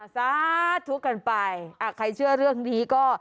ซ้าตุกนไปใครเชื่อเรื่องดีก็